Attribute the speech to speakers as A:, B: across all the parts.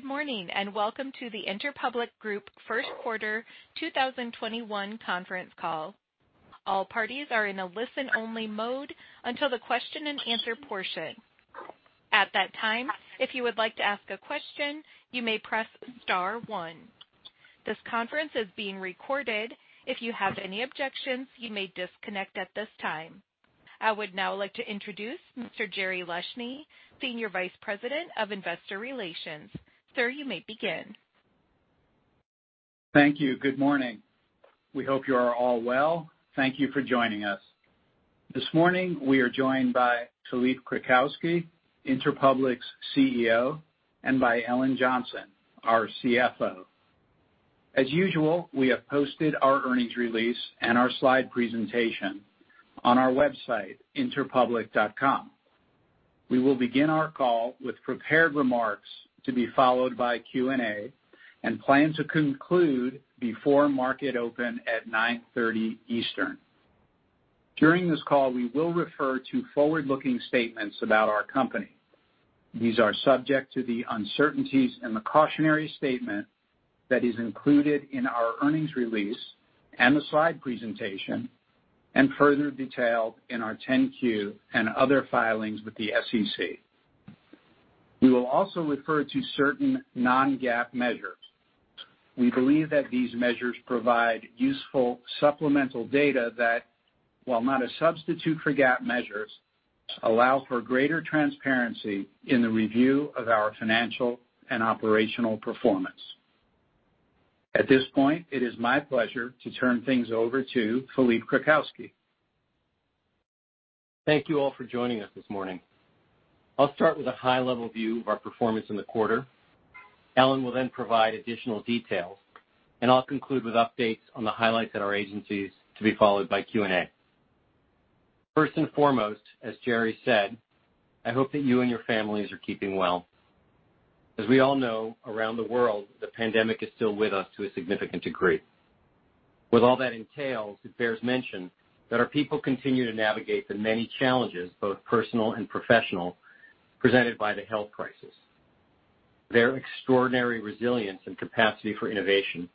A: Good morning, and welcome to the Interpublic Group first quarter 2021 conference call. All parties are in a listen-only mode until the question and answer portion. At that time, if you would like to ask a question, you may press star one. This conference is being recorded. If you have any objections, you may disconnect at this time. I would now like to introduce Mr. Jerry Leshne, Senior Vice President of Investor Relations. Sir, you may begin.
B: Thank you. Good morning. We hope you are all well. Thank you for joining us. This morning, we are joined by Philippe Krakowsky, Interpublic's CEO, and by Ellen Johnson, our CFO. As usual, we have posted our earnings release and our slide presentation on our website, interpublic.com. We will begin our call with prepared remarks to be followed by Q&A, and plan to conclude before market open at 9:30 A.M. Eastern. During this call, we will refer to forward-looking statements about our company. These are subject to the uncertainties and the cautionary statement that is included in our earnings release and the slide presentation, and further detailed in our 10-Q and other filings with the SEC. We will also refer to certain non-GAAP measures. We believe that these measures provide useful supplemental data that, while not a substitute for GAAP measures, allow for greater transparency in the review of our financial and operational performance. At this point, it is my pleasure to turn things over to Philippe Krakowsky.
C: Thank you all for joining us this morning. I'll start with a high-level view of our performance in the quarter. Ellen will then provide additional details, and I'll conclude with updates on the highlights at our agencies, to be followed by Q&A. First and foremost, as Jerry said, I hope that you and your families are keeping well. As we all know, around the world, the pandemic is still with us to a significant degree. With all that entails, it bears mention that our people continue to navigate the many challenges, both personal and professional, presented by the health crisis. Their extraordinary resilience and capacity for innovation,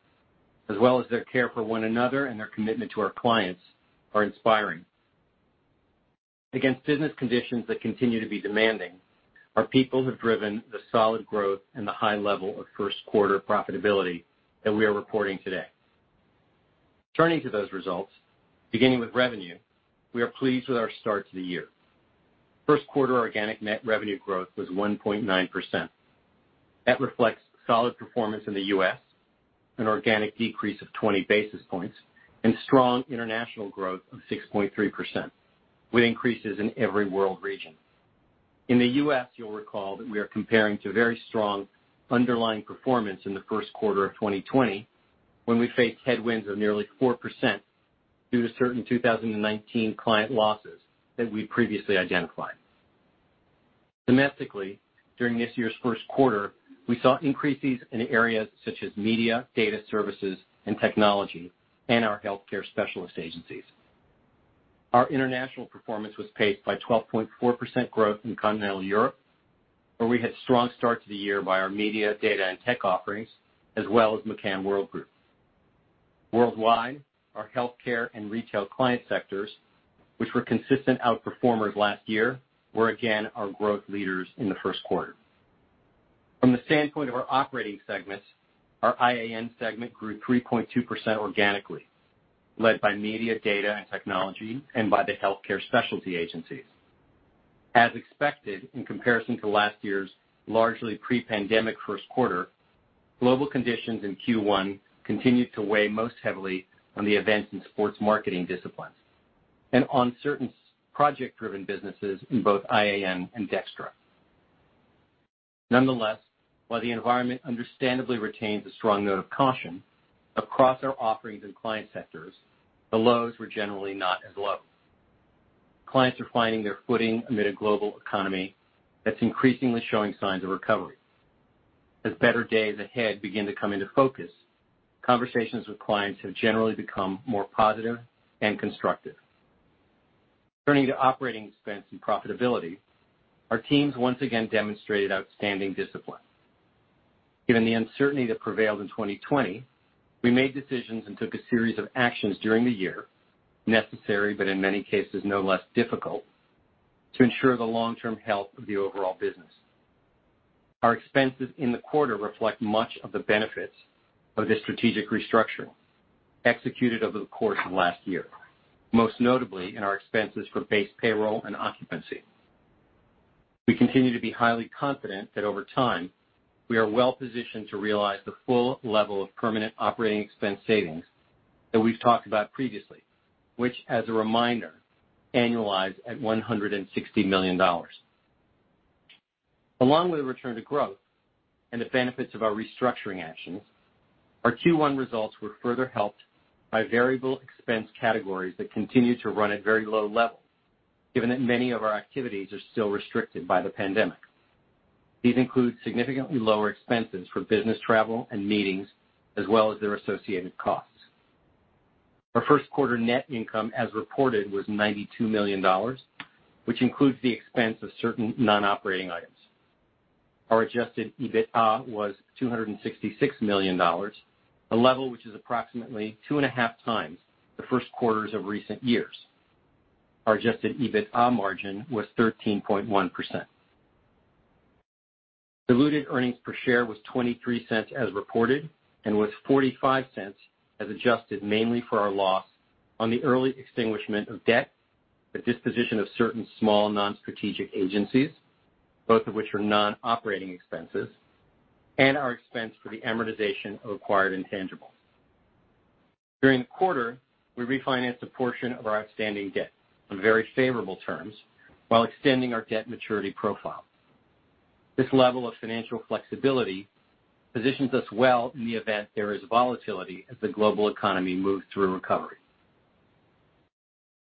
C: as well as their care for one another and their commitment to our clients, are inspiring. Against business conditions that continue to be demanding, our people have driven the solid growth and the high level of first quarter profitability that we are reporting today. Turning to those results, beginning with revenue, we are pleased with our start to the year. First quarter organic net revenue growth was 1.9%. That reflects solid performance in the U.S., an organic decrease of 20 basis points, and strong international growth of 6.3%, with increases in every world region. In the U.S., you'll recall that we are comparing to very strong underlying performance in the first quarter of 2020, when we faced headwinds of nearly 4% due to certain 2019 client losses that we previously identified. Domestically, during this year's first quarter, we saw increases in areas such as media, data services, and technology, and our healthcare specialist agencies. Our international performance was paced by 12.4% growth in continental Europe, where we had strong start to the year by our media, data, and tech offerings, as well as McCann Worldgroup. Worldwide, our healthcare and retail client sectors, which were consistent out-performers last year, were again our growth leaders in the first quarter. From the standpoint of our operating segments, our IAN segment grew 3.2% organically, led by media, data, and technology, and by the healthcare specialty agencies. As expected, in comparison to last year's largely pre-pandemic first quarter, global conditions in Q1 continued to weigh most heavily on the events and sports marketing disciplines and on certain project-driven businesses in both IAN and DXTRA. Nonetheless, while the environment understandably retains a strong note of caution, across our offerings and client sectors, the lows were generally not as low. Clients are finding their footing amid a global economy that's increasingly showing signs of recovery. As better days ahead begin to come into focus, conversations with clients have generally become more positive and constructive. Turning to operating expense and profitability, our teams once again demonstrated outstanding discipline. Given the uncertainty that prevailed in 2020, we made decisions and took a series of actions during the year, necessary, but in many cases, no less difficult, to ensure the long-term health of the overall business. Our expenses in the quarter reflect much of the benefits of this strategic restructuring executed over the course of last year, most notably in our expenses for base payroll and occupancy. We continue to be highly confident that over time, we are well positioned to realize the full level of permanent operating expense savings that we've talked about previously, which, as a reminder, annualize at $160 million. Along with a return to growth and the benefits of our restructuring actions, our Q1 results were further helped by variable expense categories that continue to run at very low levels, given that many of our activities are still restricted by the pandemic. These include significantly lower expenses for business travel and meetings, as well as their associated costs. Our first quarter net income as reported was $92 million, which includes the expense of certain non-operating items. Our adjusted EBITDA was $266 million, a level which is approximately two and a half times the first quarters of recent years. Our adjusted EBITDA margin was 13.1%. Diluted earnings per share was $0.23 as reported, and was $0.45 as adjusted mainly for our loss on the early extinguishment of debt, the disposition of certain small non-strategic agencies, both of which are non-operating expenses, and our expense for the amortization of acquired intangibles. During the quarter, we refinanced a portion of our outstanding debt on very favorable terms while extending our debt maturity profile. This level of financial flexibility positions us well in the event there is volatility as the global economy moves through recovery.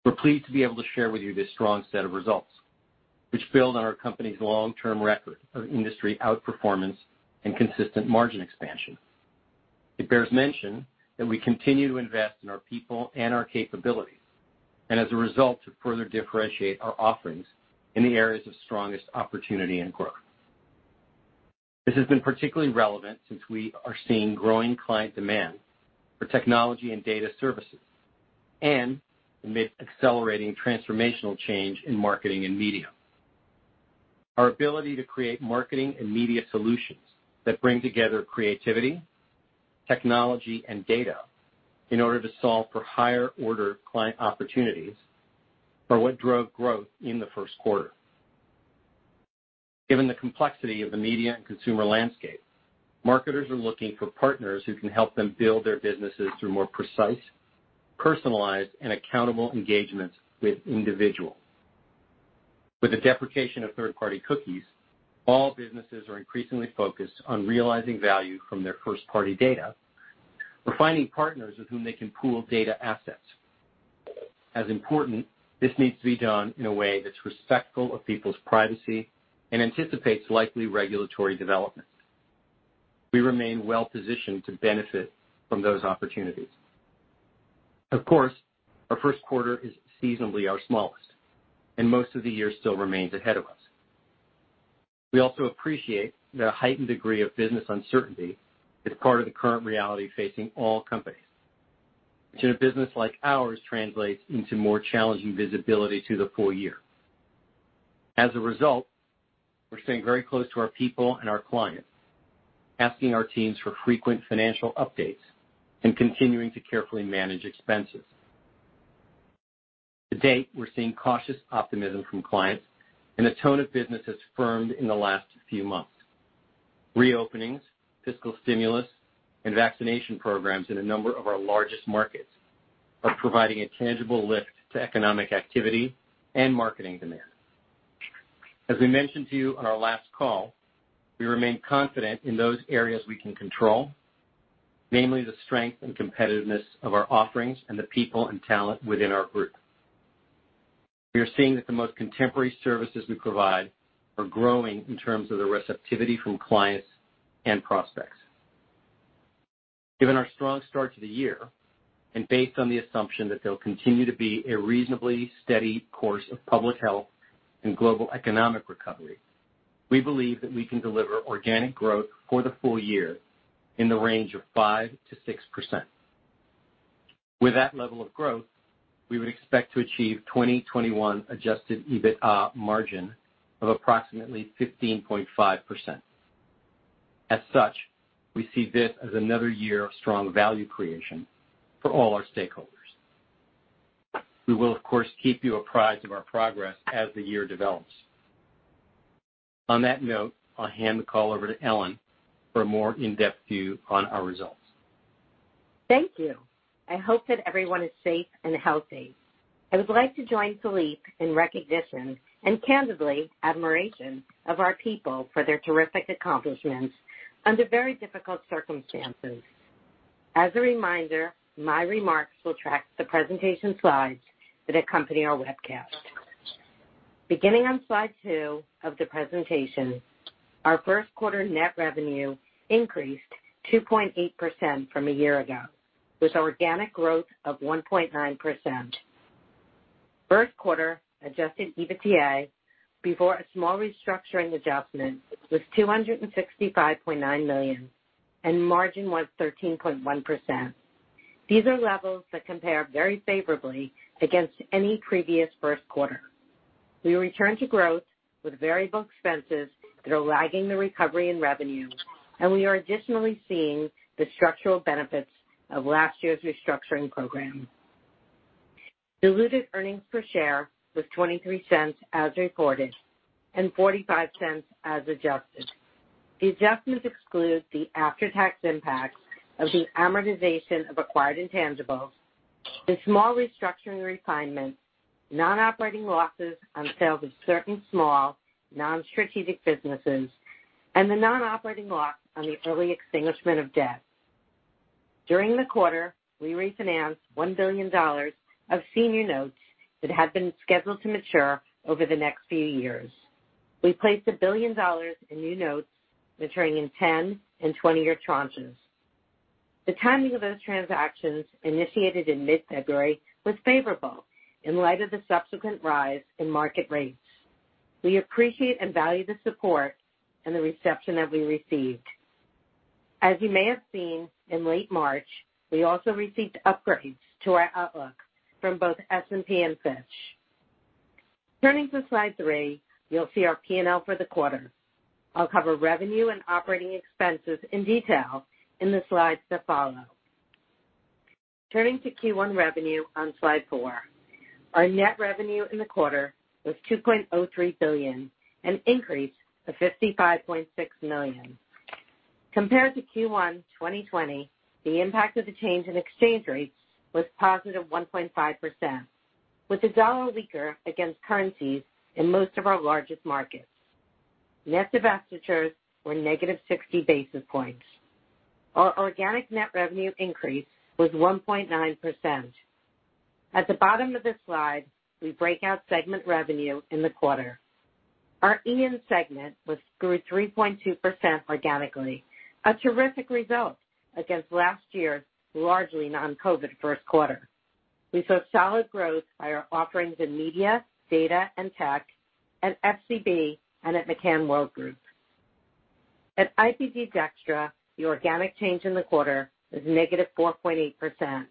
C: We're pleased to be able to share with you this strong set of results, which build on our company's long-term record of industry outperformance and consistent margin expansion. It bears mention that we continue to invest in our people and our capabilities, and as a result, to further differentiate our offerings in the areas of strongest opportunity and growth. This has been particularly relevant since we are seeing growing client demand for technology and data services amid accelerating transformational change in marketing and media. Our ability to create marketing and media solutions that bring together creativity, technology, and data in order to solve for higher order client opportunities are what drove growth in the first quarter. Given the complexity of the media and consumer landscape, marketers are looking for partners who can help them build their businesses through more precise, personalized, and accountable engagements with individuals. With the deprecation of third-party cookies, all businesses are increasingly focused on realizing value from their first-party data or finding partners with whom they can pool data assets. As important, this needs to be done in a way that's respectful of people's privacy and anticipates likely regulatory developments. We remain well-positioned to benefit from those opportunities. Of course, our first quarter is seasonally our smallest, and most of the year still remains ahead of us. We also appreciate that a heightened degree of business uncertainty is part of the current reality facing all companies, which in a business like ours, translates into more challenging visibility to the full year. As a result, we're staying very close to our people and our clients, asking our teams for frequent financial updates and continuing to carefully manage expenses. To date, we're seeing cautious optimism from clients and the tone of business has firmed in the last few months. Reopenings, fiscal stimulus, and vaccination programs in a number of our largest markets are providing a tangible lift to economic activity and marketing demand. As we mentioned to you on our last call, we remain confident in those areas we can control, namely the strength and competitiveness of our offerings and the people and talent within our group. We are seeing that the most contemporary services we provide are growing in terms of the receptivity from clients and prospects. Given our strong start to the year, and based on the assumption that there'll continue to be a reasonably steady course of public health and global economic recovery, we believe that we can deliver organic growth for the full year in the range of 5%-6%. With that level of growth, we would expect to achieve 2021 adjusted EBITDA margin of approximately 15.5%. As such, we see this as another year of strong value creation for all our stakeholders. We will, of course, keep you apprised of our progress as the year develops. On that note, I'll hand the call over to Ellen for a more in-depth view on our results.
D: Thank you. I hope that everyone is safe and healthy. I would like to join Philippe in recognition, and candidly, admiration of our people for their terrific accomplishments under very difficult circumstances. As a reminder, my remarks will track the presentation slides that accompany our webcast. Beginning on slide two of the presentation, our first quarter net revenue increased 2.8% from a year ago, with organic growth of 1.9%. First quarter adjusted EBITDA, before a small restructuring adjustment, was $265.9 million and margin was 13.1%. These are levels that compare very favorably against any previous first quarter. We return to growth with variable expenses that are lagging the recovery in revenue, and we are additionally seeing the structural benefits of last year's restructuring program. Diluted earnings per share was $0.23 as reported, and $0.45 as adjusted. The adjustment excludes the after-tax impact of the amortization of acquired intangibles, the small restructuring refinements, non-operating losses on sales of certain small non-strategic businesses, and the non-operating loss on the early extinguishment of debt. During the quarter, we refinanced $1 billion of senior notes that had been scheduled to mature over the next few years. We placed $1 billion in new notes maturing in 10- and 20-year tranches. The timing of those transactions initiated in mid-February was favorable in light of the subsequent rise in market rates. We appreciate and value the support and the reception that we received. As you may have seen in late March, we also received upgrades to our outlook from both S&P and Fitch. Turning to slide three, you'll see our P&L for the quarter. I'll cover revenue and operating expenses in detail in the slides that follow. Turning to Q1 revenue on slide four. Our net revenue in the quarter was $2.03 billion, an increase of $55.6 million. Compared to Q1 2020, the impact of the change in exchange rates was positive 1.5%, with the dollar weaker against currencies in most of our largest markets. Net divestitures were negative 60 basis points. Our organic net revenue increase was 1.9%. At the bottom of this slide, we break out segment revenue in the quarter. Our IAN segment grew 3.2% organically, a terrific result against last year's largely non-COVID first quarter. We saw solid growth by our offerings in media, data and tech at FCB and at McCann Worldgroup. At IPG DXTRA, the organic change in the quarter was -4.8%,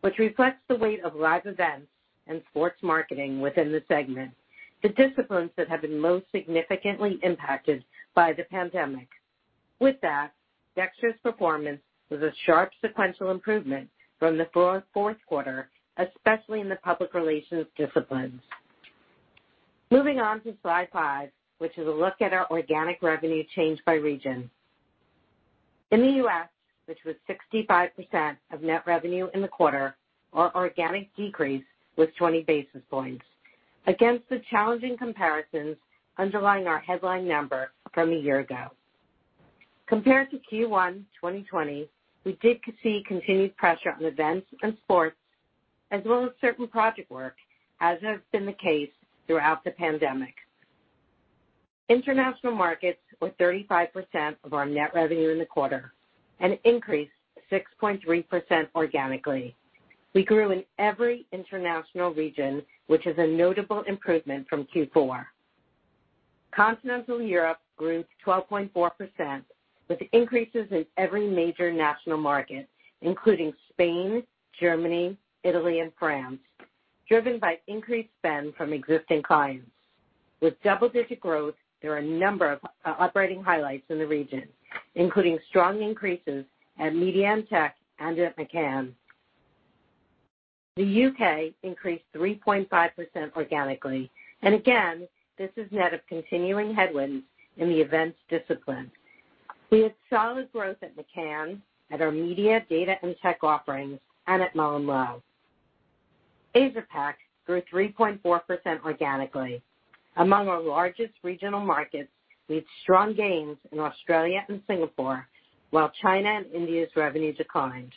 D: which reflects the weight of live events and sports marketing within the segment to disciplines that have been most significantly impacted by the pandemic. With that, DXTRA's performance was a sharp sequential improvement from the fourth quarter, especially in the public relations disciplines. Moving on to slide five, which is a look at our organic revenue change by region. In the U.S., which was 65% of net revenue in the quarter, our organic decrease was 20 basis points against the challenging comparisons underlying our headline number from a year ago. Compared to Q1 2020, we did see continued pressure on events and sports, as well as certain project work, as has been the case throughout the pandemic. International markets were 35% of our net revenue in the quarter, an increase of 6.3% organically. We grew in every international region, which is a notable improvement from Q4. Continental Europe grew 12.4%, with increases in every major national market, including Spain, Germany, Italy, and France, driven by increased spend from existing clients. With double-digit growth, there are a number of operating highlights in the region, including strong increases at Mediabrands and at McCann. The U.K. increased 3.5% organically, and again, this is net of continuing headwinds in the events discipline. We had solid growth at McCann, at our media, data, and tech offerings, and at MullenLowe. Asia-Pac grew 3.4% organically. Among our largest regional markets, we had strong gains in Australia and Singapore, while China and India's revenue declined.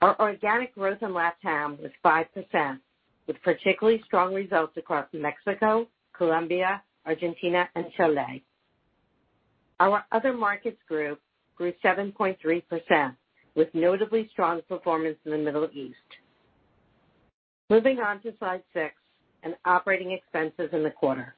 D: Our organic growth in LatAm was 5%, with particularly strong results across Mexico, Colombia, Argentina, and Chile. Our other markets group grew 7.3%, with notably strong performance in the Middle East. Moving on to slide six, and operating expenses in the quarter.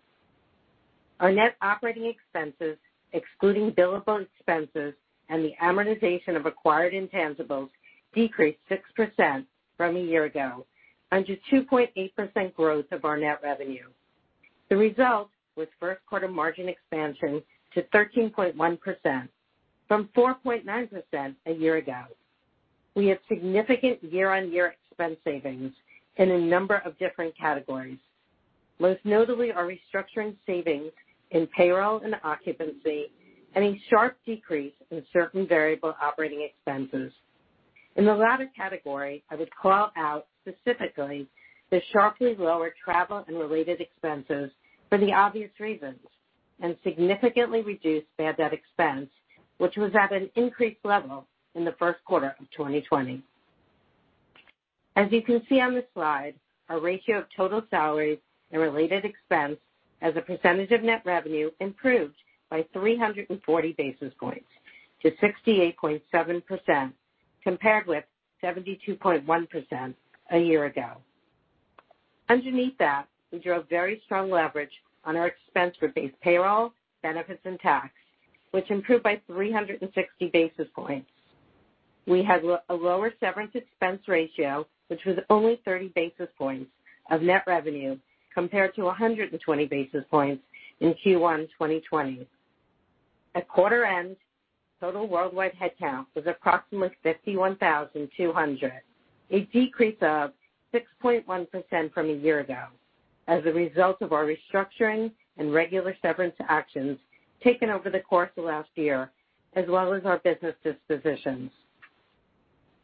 D: Our net operating expenses, excluding billable expenses and the amortization of acquired intangibles, decreased 6% from a year ago on just 2.8% growth of our net revenue. The result was first quarter margin expansion to 13.1% from 4.9% a year ago. We had significant year-on-year expense savings in a number of different categories. Most notably, our restructuring savings in payroll and occupancy, and a sharp decrease in certain variable operating expenses. In the latter category, I would call out specifically the sharply lower travel and related expenses for the obvious reasons, and significantly reduced bad debt expense, which was at an increased level in the first quarter of 2020. As you can see on this slide, our ratio of total salaries and related expense as a percentage of net revenue improved by 340 basis points to 68.7%, compared with 72.1% a year ago. Underneath that, we drove very strong leverage on our expense for base payroll, benefits, and tax, which improved by 360 basis points. We had a lower severance expense ratio, which was only 30 basis points of net revenue, compared to 120 basis points in Q1 2020. At quarter end, total worldwide headcount was approximately 51,200, a decrease of 6.1% from a year ago as a result of our restructuring and regular severance actions taken over the course of last year as well as our business dispositions.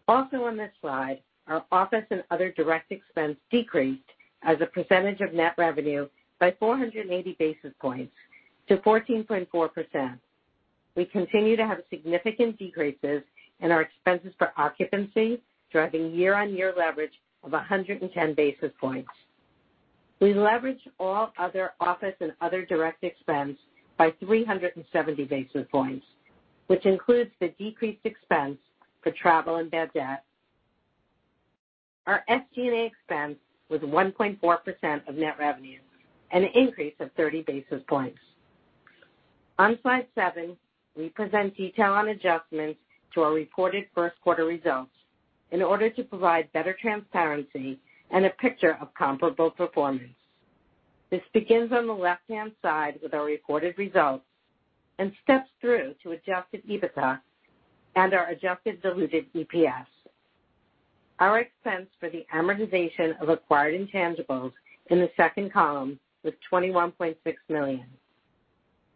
D: Also on this slide, our office and other direct expense decreased as a percentage of net revenue by 480 basis points to 14.4%. We continue to have significant decreases in our expenses for occupancy, driving year-on-year leverage of 110 basis points. We leveraged all other office and other direct expense by 370 basis points, which includes the decreased expense for travel and bad debt. Our SG&A expense was 1.4% of net revenue, an increase of 30 basis points. On slide seven, we present detail on adjustments to our reported first quarter results in order to provide better transparency and a picture of comparable performance. This begins on the left-hand side with our reported results and steps through to adjusted EBITDA and our adjusted diluted EPS. Our expense for the amortization of acquired intangibles in the second column was $21.6 million.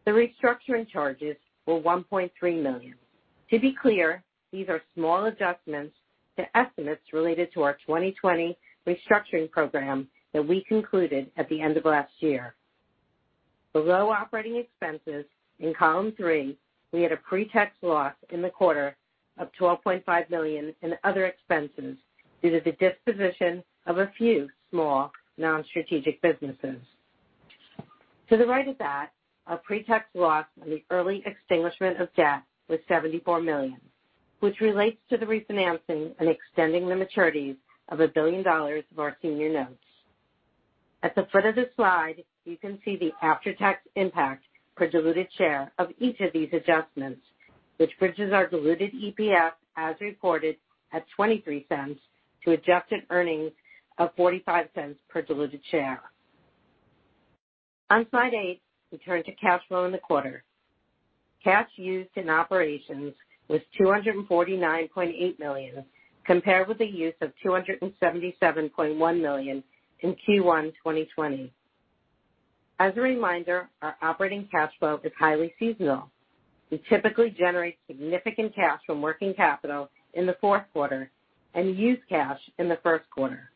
D: The restructuring charges were $1.3 million. To be clear, these are small adjustments to estimates related to our 2020 restructuring program that we concluded at the end of last year. Below operating expenses, in column three, we had a pre-tax loss in the quarter of $12.5 million in other expenses due to the disposition of a few small non-strategic businesses. To the right of that, our pre-tax loss on the early extinguishment of debt was $74 million, which relates to the refinancing and extending the maturities of $1 billion of our senior notes. At the foot of the slide, you can see the after-tax impact per diluted share of each of these adjustments, which bridges our diluted EPS as reported at $0.23 to adjusted earnings of $0.45 per diluted share. On slide eight, we turn to cash flow in the quarter. Cash used in operations was $249.8 million, compared with the use of $277.1 million in Q1 2020. As a reminder, our operating cash flow is highly seasonal. We typically generate significant cash from working capital in the fourth quarter and use cash in the first quarter.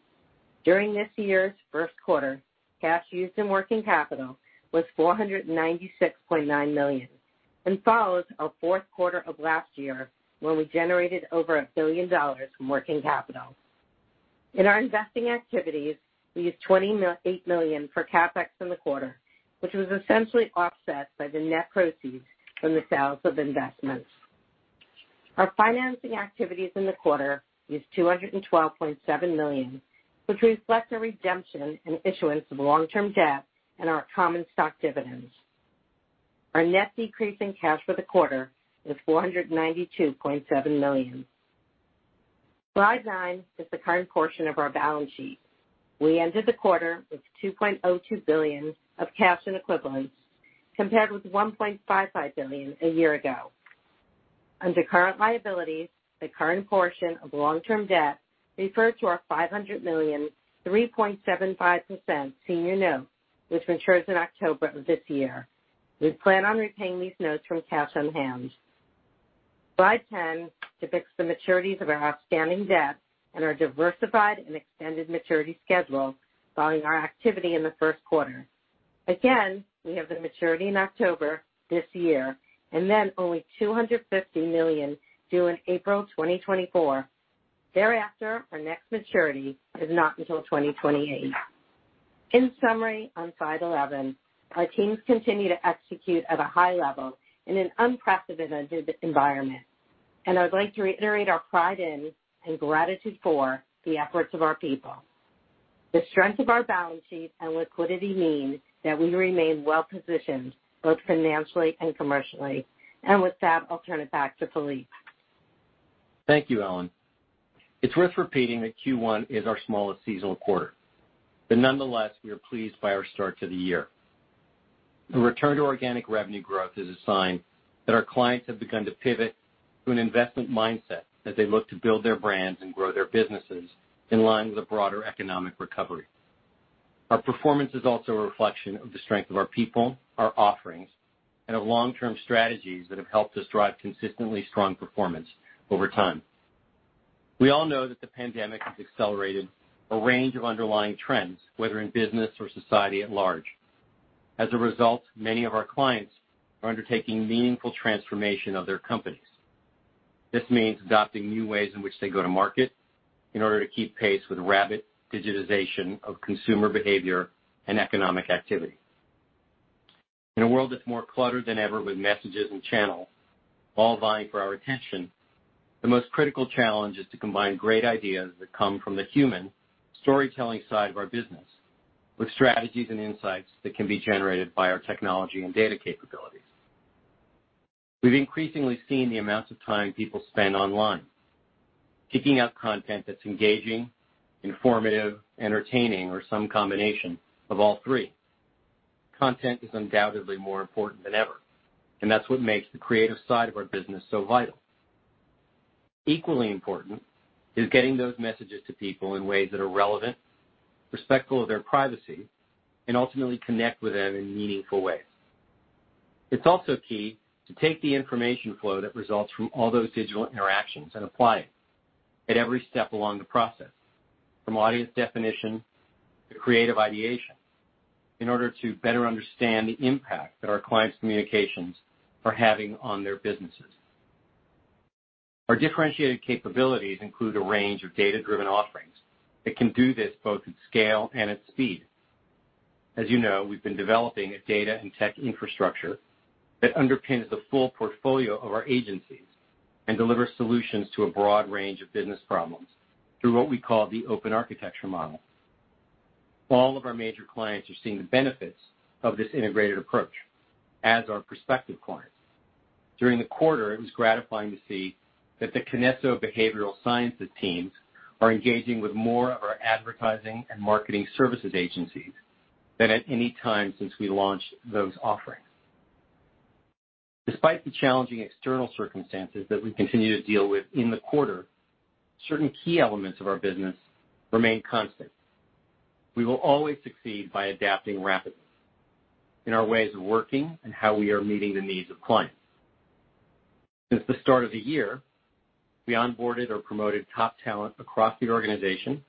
D: During this year's first quarter, cash used in working capital was $496.9 million and follows our fourth quarter of last year, when we generated over $1 billion from working capital. In our investing activities, we used $28 million for CapEx in the quarter, which was essentially offset by the net proceeds from the sales of investments. Our financing activities in the quarter was $212.7 million, which reflects a redemption and issuance of long-term debt and our common stock dividends. Our net decrease in cash for the quarter was $492.7 million. Slide nine is the current portion of our balance sheet. We ended the quarter with $2.02 billion of cash and equivalents, compared with $1.55 billion a year ago. Under current liabilities, the current portion of long-term debt refer to our $500 million, 3.75% senior note, which matures in October of this year. We plan on repaying these notes from cash on hand. Slide 10 depicts the maturities of our outstanding debt and our diversified and extended maturity schedule following our activity in the first quarter. We have the maturity in October this year, then only $250 million due in April 2024. Thereafter, our next maturity is not until 2028. In summary, on slide 11, our teams continue to execute at a high level in an unprecedented environment. I would like to reiterate our pride in and gratitude for the efforts of our people. The strength of our balance sheet and liquidity mean that we remain well-positioned both financially and commercially. With that, I'll turn it back to Philippe.
C: Thank you, Ellen. It's worth repeating that Q1 is our smallest seasonal quarter. Nonetheless, we are pleased by our start to the year. A return to organic revenue growth is a sign that our clients have begun to pivot to an investment mindset as they look to build their brands and grow their businesses in line with a broader economic recovery. Our performance is also a reflection of the strength of our people, our offerings, and our long-term strategies that have helped us drive consistently strong performance over time. We all know that the pandemic has accelerated a range of underlying trends, whether in business or society at large. As a result, many of our clients are undertaking meaningful transformation of their companies. This means adopting new ways in which they go to market in order to keep pace with rapid digitization of consumer behavior and economic activity. In a world that's more cluttered than ever with messages and channels all vying for our attention, the most critical challenge is to combine great ideas that come from the human storytelling side of our business with strategies and insights that can be generated by our technology and data capabilities. We've increasingly seen the amount of time people spend online, seeking out content that's engaging, informative, entertaining, or some combination of all three. Content is undoubtedly more important than ever, and that's what makes the creative side of our business so vital. Equally important is getting those messages to people in ways that are relevant, respectful of their privacy, and ultimately connect with them in meaningful ways. It's also key to take the information flow that results from all those digital interactions and apply it at every step along the process, from audience definition to creative ideation, in order to better understand the impact that our clients' communications are having on their businesses. Our differentiated capabilities include a range of data-driven offerings that can do this both at scale and at speed. As you know, we've been developing a data and tech infrastructure that underpins the full portfolio of our agencies and delivers solutions to a broad range of business problems through what we call the open architecture model. All of our major clients are seeing the benefits of this integrated approach, as are prospective clients. During the quarter, it was gratifying to see that the KINESSO behavioral sciences teams are engaging with more of our advertising and marketing services agencies than at any time since we launched those offerings. Despite the challenging external circumstances that we continue to deal with in the quarter, certain key elements of our business remain constant. We will always succeed by adapting rapidly in our ways of working and how we are meeting the needs of clients. Since the start of the year, we onboarded or promoted top talent across the organization,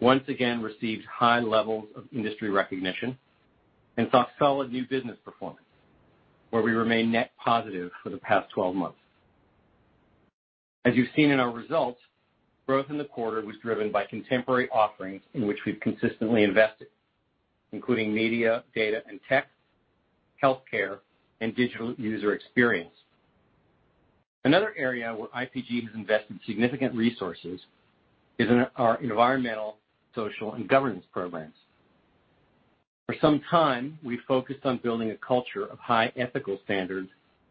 C: once again received high levels of industry recognition, and saw solid new business performance, where we remain net positive for the past 12 months. As you've seen in our results, growth in the quarter was driven by contemporary offerings in which we've consistently invested, including media, data and tech, healthcare, and digital user experience. Another area where IPG has invested significant resources is in our environmental, social, and governance programs. For some time, we focused on building a culture of high ethical standards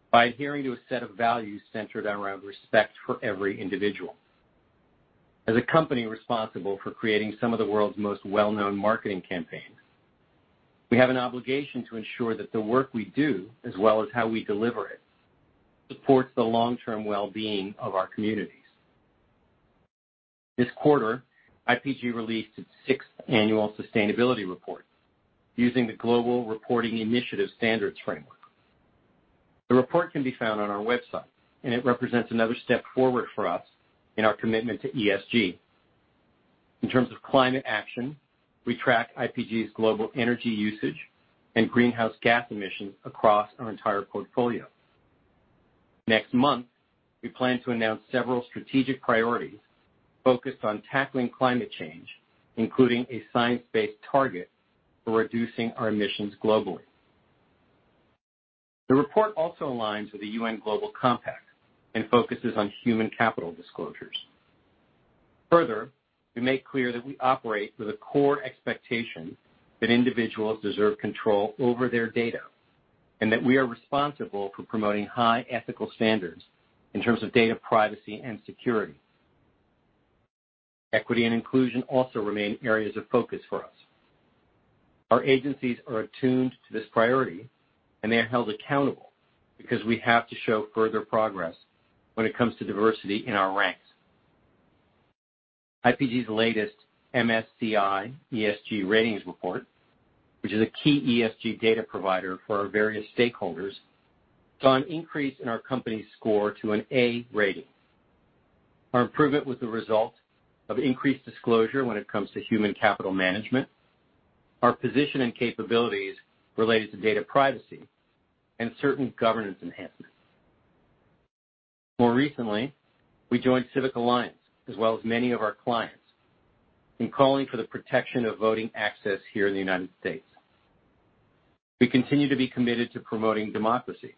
C: by adhering to a set of values centered around respect for every individual. As a company responsible for creating some of the world's most well-known marketing campaigns, we have an obligation to ensure that the work we do, as well as how we deliver it, supports the long-term wellbeing of our communities. This quarter, IPG released its sixth annual sustainability report using the Global Reporting Initiative standards framework. The report can be found on our website. It represents another step forward for us in our commitment to ESG. In terms of climate action, we track IPG's global energy usage and greenhouse gas emissions across our entire portfolio. Next month, we plan to announce several strategic priorities focused on tackling climate change, including a science-based target for reducing our emissions globally. The report also aligns with the UN Global Compact and focuses on human capital disclosures. We make clear that we operate with a core expectation that individuals deserve control over their data, and that we are responsible for promoting high ethical standards in terms of data privacy and security. Equity and inclusion also remain areas of focus for us. Our agencies are attuned to this priority, and they are held accountable because we have to show further progress when it comes to diversity in our ranks. IPG's latest MSCI ESG ratings report, which is a key ESG data provider for our various stakeholders, saw an increase in our company's score to an A rating. Our improvement was the result of increased disclosure when it comes to human capital management, our position and capabilities related to data privacy, and certain governance enhancements. More recently, we joined Civic Alliance, as well as many of our clients, in calling for the protection of voting access here in the United States. We continue to be committed to promoting democracy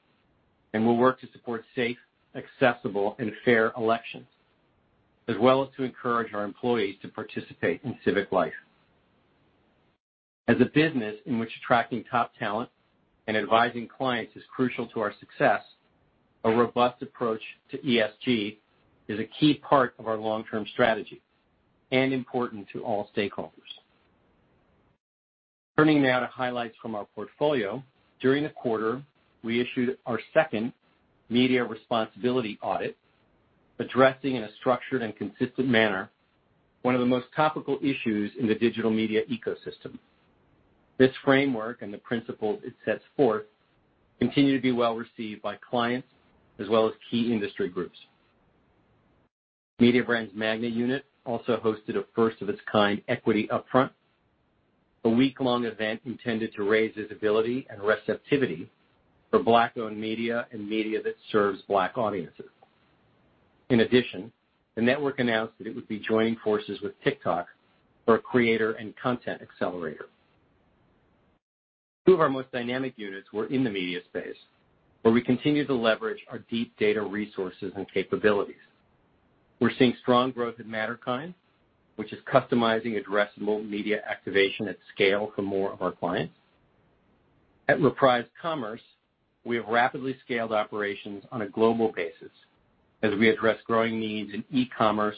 C: and will work to support safe, accessible, and fair elections, as well as to encourage our employees to participate in civic life. As a business in which attracting top talent and advising clients is crucial to our success, a robust approach to ESG is a key part of our long-term strategy and important to all stakeholders. Turning now to highlights from our portfolio, during the quarter, we issued our second media responsibility audit, addressing in a structured and consistent manner one of the most topical issues in the digital media ecosystem. This framework and the principles it sets forth continue to be well received by clients as well as key industry groups. Mediabrands' MAGNA unit also hosted a first-of-its-kind Equity Upfront™, a week-long event intended to raise visibility and receptivity for Black-owned media and media that serves Black audiences. In addition, the network announced that it would be joining forces with TikTok for a creator and content accelerator. Two of our most dynamic units were in the media space, where we continue to leverage our deep data resources and capabilities. We're seeing strong growth at Matterkind, which is customizing addressable media activation at scale for more of our clients. At Reprise Commerce, we have rapidly scaled operations on a global basis as we address growing needs in e-commerce,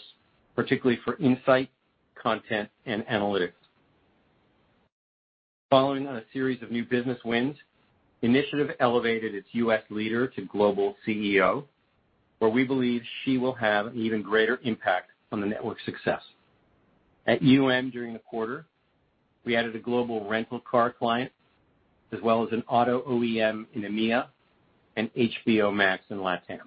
C: particularly for insight, content, and analytics. Following on a series of new business wins, Initiative elevated its U.S. leader to global CEO, where we believe she will have an even greater impact on the network's success. At UM during the quarter, we added a global rental car client, as well as an auto OEM in EMEA and HBO Max in LATAM.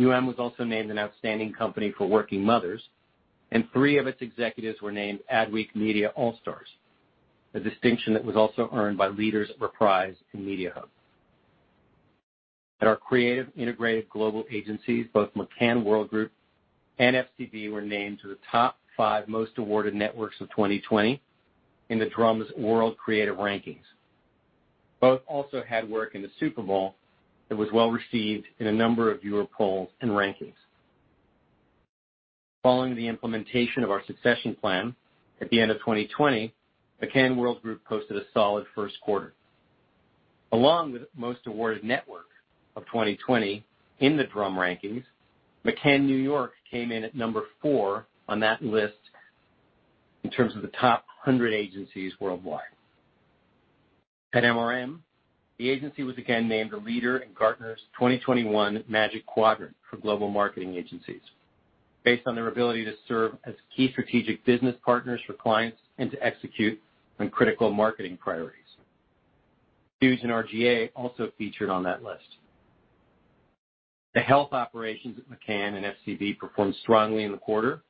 C: UM was also named an outstanding company for working mothers, and three of its executives were named Adweek Media All-Stars, a distinction that was also earned by leaders at Reprise and Mediahub. At our creative integrated global agencies, both McCann Worldgroup and FCB were named to the top five most awarded networks of 2020 in The Drum's World Creative Rankings. Both also had work in the Super Bowl that was well-received in a number of viewer polls and rankings. Following the implementation of our succession plan at the end of 2020, McCann Worldgroup posted a solid first quarter. Along with most awarded network of 2020 in The Drum rankings, McCann New York came in at number 4 on that list in terms of the top 100 agencies worldwide. At MRM, the agency was again named a leader in Gartner's 2021 Magic Quadrant for Global Marketing Agencies, based on their ability to serve as key strategic business partners for clients and to execute on critical marketing priorities. Huge and R/GA also featured on that list. The health operations at McCann and FCB performed strongly in the quarter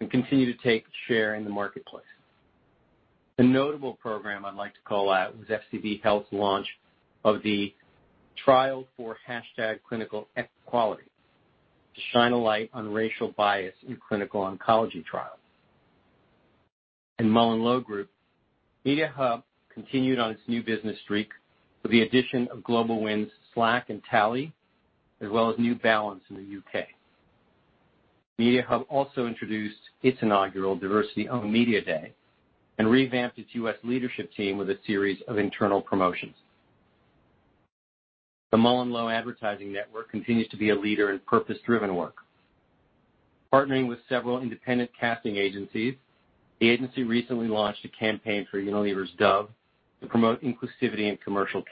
C: and continue to take share in the marketplace. The notable program I'd like to call out was FCB Health's launch of the trial for #ClinicalEquality, to shine a light on racial bias in clinical oncology trials. In MullenLowe Group, Mediahub continued on its new business streak with the addition of global wins Slack and Tally, as well as New Balance in the U.K. Mediahub also introduced its inaugural Diversity-Owned Media Day and revamped its U.S. leadership team with a series of internal promotions. The MullenLowe advertising network continues to be a leader in purpose-driven work. Partnering with several independent casting agencies, the agency recently launched a campaign for Unilever's Dove to promote inclusivity in commercial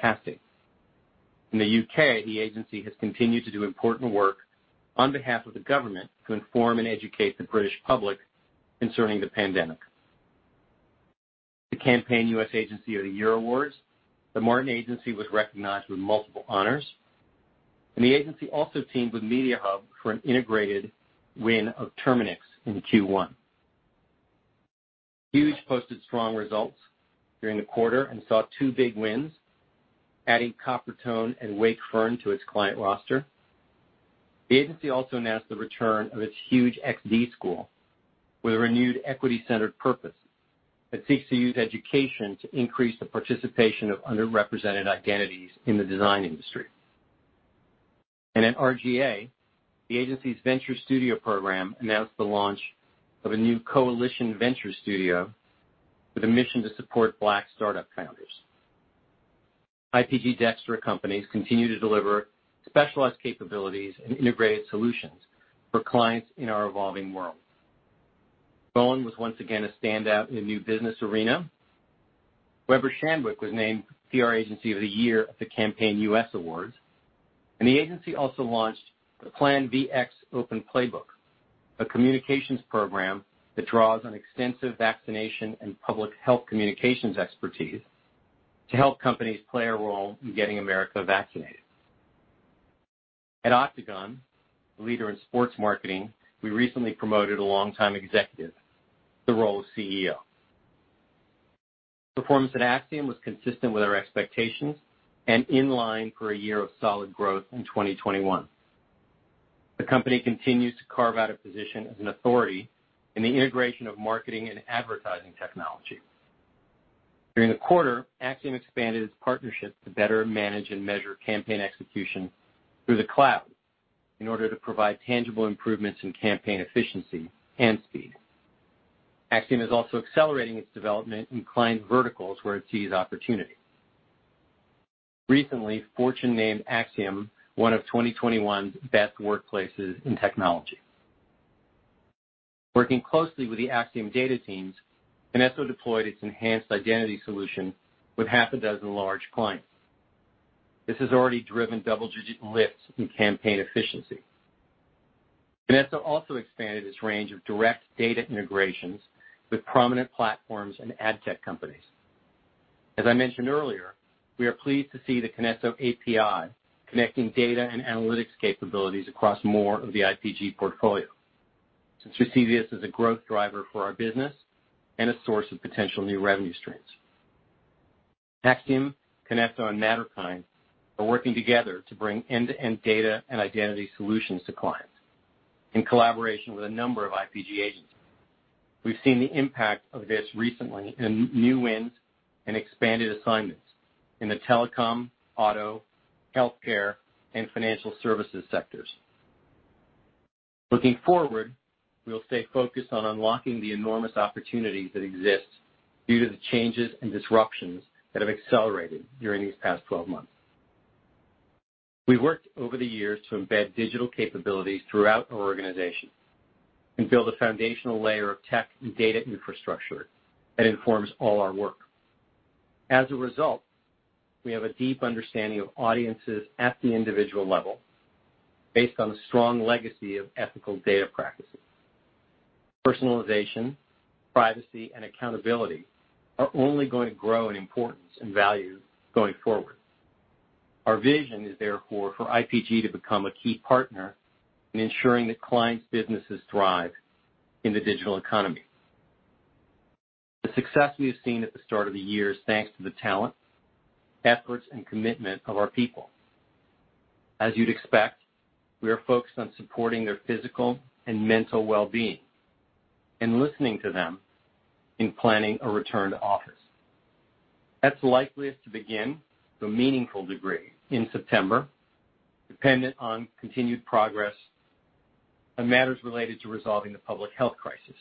C: casting. In the U.K., the agency has continued to do important work on behalf of the government to inform and educate the British public concerning the pandemic. At the Campaign U.S. Agency of the Year awards, The Martin Agency was recognized with multiple honors. The agency also teamed with Mediahub for an integrated win of Terminix in Q1. Huge posted strong results during the quarter and saw two big wins, adding Coppertone and Wakefern to its client roster. The agency also announced the return of its Huge XD School with a renewed equity-centered purpose that seeks to use education to increase the participation of underrepresented identities in the design industry. At R/GA, the agency's Venture Studio program announced the launch of a new Coalition Venture Studio with a mission to support Black startup founders. IPG DXTRA companies continue to deliver specialized capabilities and integrated solutions for clients in our evolving world. Bowen was once again a standout in the new business arena. Weber Shandwick was named PR Agency of the Year at the Campaign US Awards. The agency also launched the Plan Vx Open Playbook, a communications program that draws on extensive vaccination and public health communications expertise to help companies play a role in getting America vaccinated. At Octagon, a leader in sports marketing, we recently promoted a longtime executive to the role of CEO. Performance at Acxiom was consistent with our expectations and in line for a year of solid growth in 2021. The company continues to carve out a position as an authority in the integration of marketing and advertising technology. During the quarter, Acxiom expanded its partnerships to better manage and measure campaign execution through the cloud in order to provide tangible improvements in campaign efficiency and speed. Acxiom is also accelerating its development in client verticals where it sees opportunity. Recently, Fortune named Acxiom one of 2021's Best Workplaces in Technology. Working closely with the Acxiom data teams, KINESSO deployed its enhanced identity solution with half a dozen large clients. This has already driven double-digit lifts in campaign efficiency. KINESSO also expanded its range of direct data integrations with prominent platforms and ad tech companies. As I mentioned earlier, we are pleased to see the KINESSO API connecting data and analytics capabilities across more of the IPG portfolio, since we see this as a growth driver for our business and a source of potential new revenue streams. Acxiom, KINESSO, and Matterkind are working together to bring end-to-end data and identity solutions to clients in collaboration with a number of IPG agencies. We've seen the impact of this recently in new wins and expanded assignments in the telecom, auto, healthcare, and financial services sectors. Looking forward, we will stay focused on unlocking the enormous opportunity that exists due to the changes and disruptions that have accelerated during these past 12 months. We worked over the years to embed digital capabilities throughout our organization and build a foundational layer of tech and data infrastructure that informs all our work. As a result, we have a deep understanding of audiences at the individual level based on a strong legacy of ethical data practices. Personalization, privacy, and accountability are only going to grow in importance and value going forward. Our vision is therefore for IPG to become a key partner in ensuring that clients' businesses thrive in the digital economy. The success we have seen at the start of the year is thanks to the talent, efforts, and commitment of our people. As you'd expect, we are focused on supporting their physical and mental well-being and listening to them in planning a return to office. That's likeliest to begin to a meaningful degree in September, dependent on continued progress on matters related to resolving the public health crisis.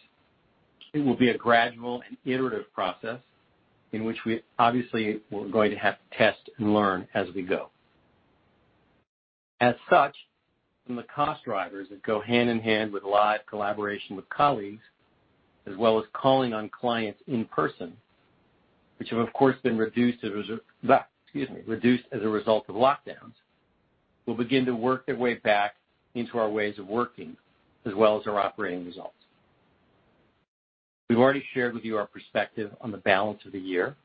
C: It will be a gradual and iterative process in which we obviously are going to have to test and learn as we go. As such, from the cost drivers that go hand in hand with live collaboration with colleagues, as well as calling on clients in person, which have, of course, been reduced as a result of lockdowns, will begin to work their way back into our ways of working as well as our operating results. We've already shared with you our perspective on the balance of the year,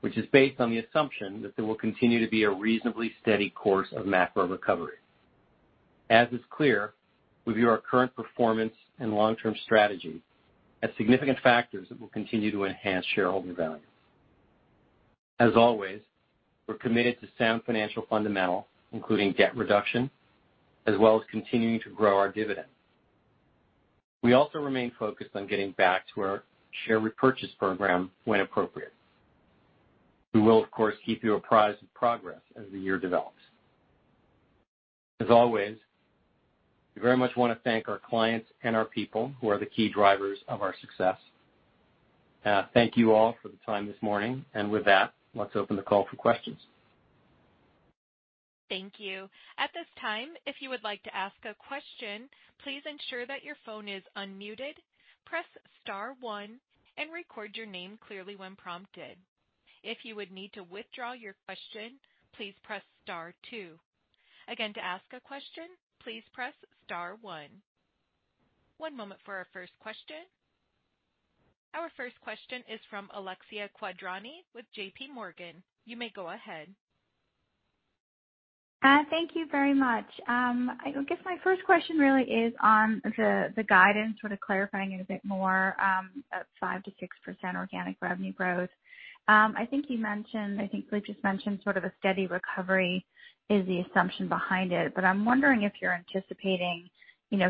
C: which is based on the assumption that there will continue to be a reasonably steady course of macro recovery. As is clear, we view our current performance and long-term strategy as significant factors that will continue to enhance shareholder value. As always, we're committed to sound financial fundamentals, including debt reduction, as well as continuing to grow our dividend. We also remain focused on getting back to our share repurchase program when appropriate. We will, of course, keep you apprised of progress as the year develops. As always, we very much want to thank our clients and our people who are the key drivers of our success. Thank you all for the time this morning. With that, let's open the call for questions.
A: Thank you. One moment for our first question. Our first question is from Alexia Quadrani with J.P. Morgan. You may go ahead.
E: Thank you very much. I guess my first question really is on the guidance, sort of clarifying it a bit more, 5%-6% organic revenue growth. I think you mentioned, I think you just mentioned sort of a steady recovery is the assumption behind it. I'm wondering if you're anticipating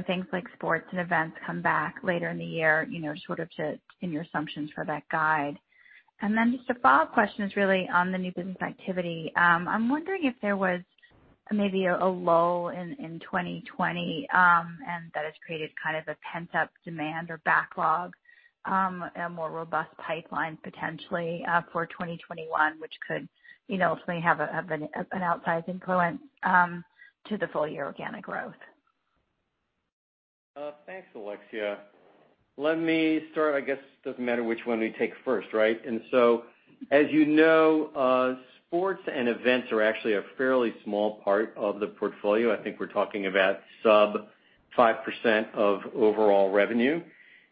E: things like sports and events come back later in the year, sort of in your assumptions for that guide. Just a follow-up question is really on the new business activity. I'm wondering if there was maybe a lull in 2020, and that has created kind of a pent-up demand or backlog, a more robust pipeline potentially for 2021, which could ultimately have an outsized influence to the full-year organic growth.
C: Thanks, Alexia. Let me start. I guess it doesn't matter which one we take first, right? As you know, sports and events are actually a fairly small part of the portfolio. I think we're talking about sub 5% of overall revenue.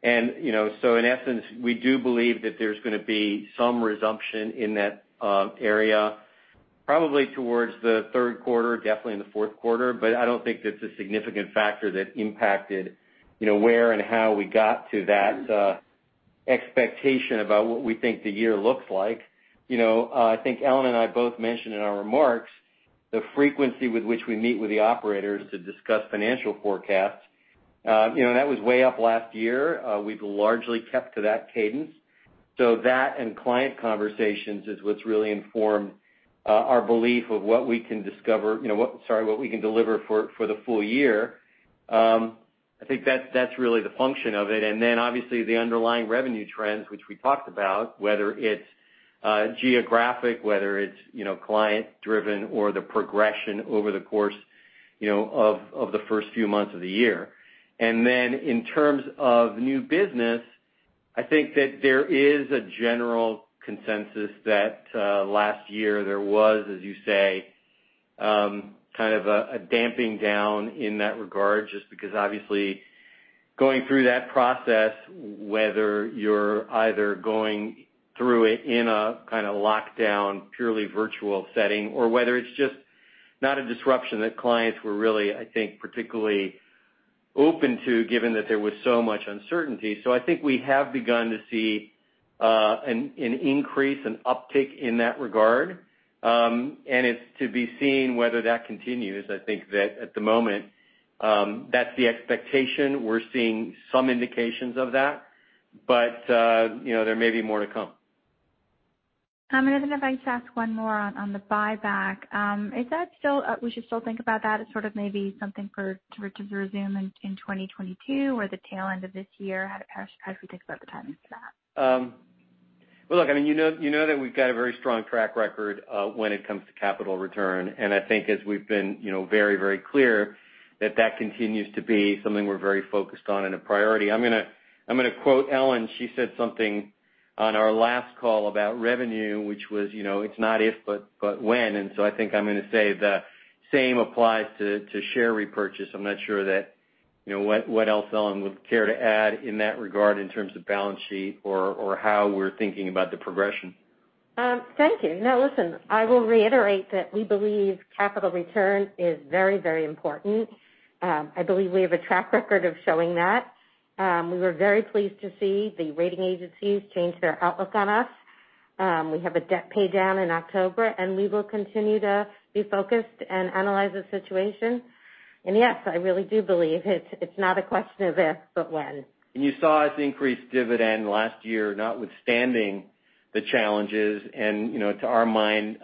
C: In essence, we do believe that there's going to be some resumption in that area probably towards the third quarter, definitely in the fourth quarter. I don't think that's a significant factor that impacted where and how we got to that expectation about what we think the year looks like. I think Ellen and I both mentioned in our remarks the frequency with which we meet with the operators to discuss financial forecasts. That was way up last year. We've largely kept to that cadence. That and client conversations is what's really informed our belief of what we can deliver for the full year. I think that's really the function of it. Obviously the underlying revenue trends, which we talked about, whether it's geographic, whether it's client driven or the progression over the course of the first few months of the year. In terms of new business, I think that there is a general consensus that last year there was, as you say, kind of a damping down in that regard, just because obviously going through that process, whether you're either going through it in a kind of lockdown, purely virtual setting, or whether it's just not a disruption that clients were really, I think, particularly open to, given that there was so much uncertainty. I think we have begun to see an increase, an uptick in that regard, and it's to be seen whether that continues. I think that at the moment, that's the expectation. We're seeing some indications of that. There may be more to come.
E: If I just ask one more on the buyback. Is that we should still think about that as sort of maybe something to resume in 2022 or the tail end of this year? How should we think about the timing for that?
C: Well, look, you know that we've got a very strong track record when it comes to capital return. I think as we've been very clear that that continues to be something we're very focused on and a priority. I'm going to quote Ellen. She said something on our last call about revenue, which was, "It's not if, but when." I think I'm going to say the same applies to share repurchase. I'm not sure what else Ellen would care to add in that regard in terms of balance sheet or how we're thinking about the progression.
D: Thank you. No, listen, I will reiterate that we believe capital return is very important. I believe we have a track record of showing that. We were very pleased to see the rating agencies change their outlook on us. We have a debt pay-down in October, and we will continue to be focused and analyze the situation. Yes, I really do believe it's not a question of if, but when.
C: You saw us increase dividend last year, notwithstanding the challenges. To our mind,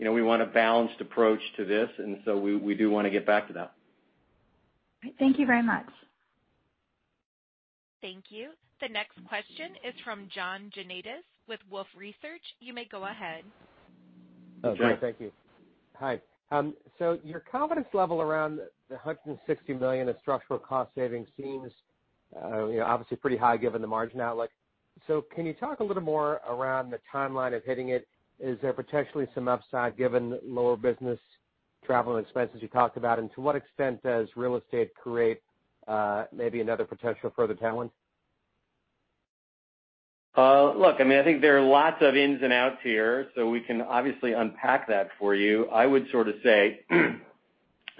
C: we want a balanced approach to this. So we do want to get back to that.
E: Thank you very much.
A: Thank you. The next question is from John Janedis with Wolfe Research. You may go ahead.
C: John.
F: Oh, great. Thank you. Hi. Your confidence level around the $160 million of structural cost savings seems obviously pretty high given the margin outlook. Can you talk a little more around the timeline of hitting it? Is there potentially some upside given lower business travel and expenses you talked about? To what extent does real estate create maybe another potential further talent?
C: I think there are lots of ins and outs here. We can obviously unpack that for you. I would sort of say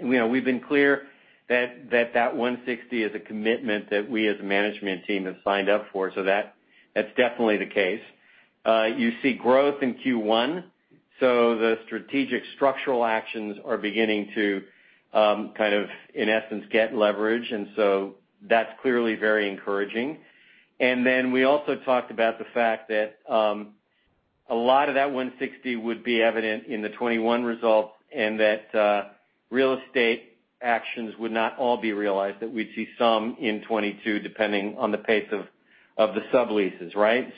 C: we've been clear that that 160 is a commitment that we as a management team have signed up for. That's definitely the case. You see growth in Q1. The strategic structural actions are beginning to kind of, in essence, get leverage. That's clearly very encouraging. We also talked about the fact that a lot of that 160 would be evident in the 2021 results and that real estate actions would not all be realized, that we'd see some in 2022 depending on the pace of the subleases. Right.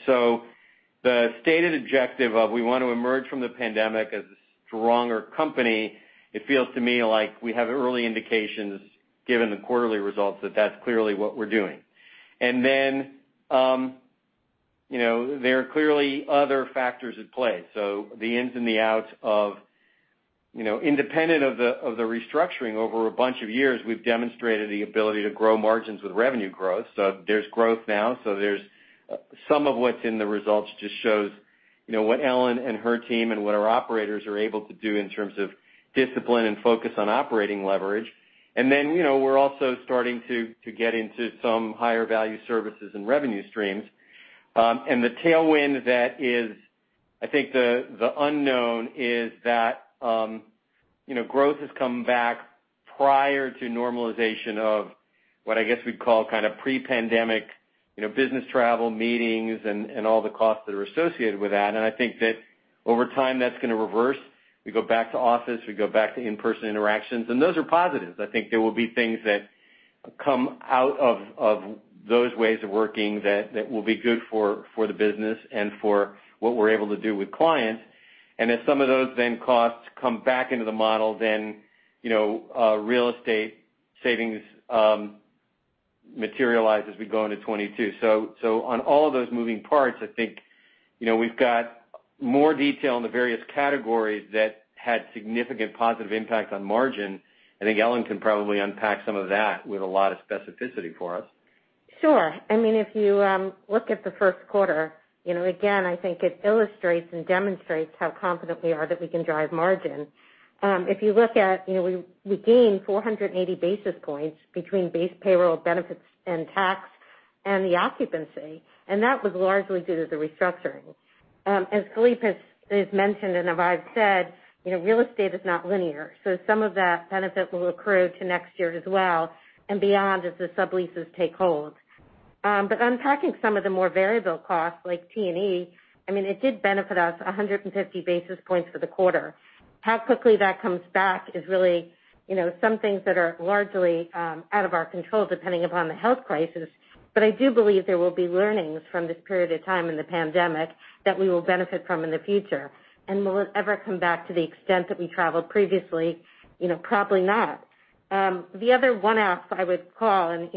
C: The stated objective of we want to emerge from the pandemic as a stronger company, it feels to me like we have early indications given the quarterly results that that's clearly what we're doing. There are clearly other factors at play. The ins and the outs of independent of the restructuring over a bunch of years, we've demonstrated the ability to grow margins with revenue growth. There's growth now. Some of what's in the results just shows what Ellen and her team and what our operators are able to do in terms of discipline and focus on operating leverage. We're also starting to get into some higher value services and revenue streams. The tailwind that is, I think, the unknown is that growth has come back prior to normalization of what I guess we'd call kind of pre-pandemic business travel meetings and all the costs that are associated with that. I think that over time, that's going to reverse. We go back to office, we go back to in-person interactions, and those are positives. I think there will be things that come out of those ways of working that will be good for the business and for what we're able to do with clients. If some of those then costs come back into the model, then real estate savings materialize as we go into 2022. On all of those moving parts, I think we've got more detail in the various categories that had significant positive impact on margin. I think Ellen can probably unpack some of that with a lot of specificity for us.
D: Sure. If you look at the first quarter, again, I think it illustrates and demonstrates how confident we are that we can drive margin. We gained 480 basis points between base payroll benefits and tax and the occupancy, and that was largely due to the restructuring. As Philippe has mentioned and as I've said, real estate is not linear. Some of that benefit will accrue to next year as well and beyond as the subleases take hold. Unpacking some of the more variable costs like T&E, it did benefit us 150 basis points for the quarter. How quickly that comes back is really some things that are largely out of our control, depending upon the health crisis. I do believe there will be learnings from this period of time in the pandemic that we will benefit from in the future. Will it ever come back to the extent that we traveled previously? Probably not. The other one-off I would call, and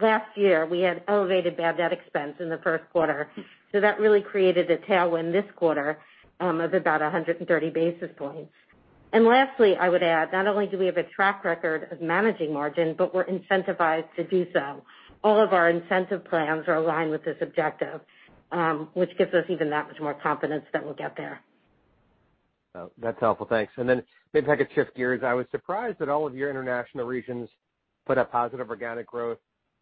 D: last year we had elevated bad debt expense in the first quarter. That really created a tailwind this quarter of about 130 basis points. Lastly, I would add, not only do we have a track record of managing margin, but we're incentivized to do so. All of our incentive plans are aligned with this objective, which gives us even that much more confidence that we'll get there.
F: That's helpful. Thanks. Maybe if I could shift gears. I was surprised that all of your international regions put up positive organic growth.